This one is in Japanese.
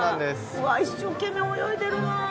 うわっ一生懸命泳いでるなあ。